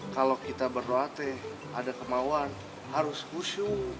kalau kita berdoa tuh ada kemauan harus kusyu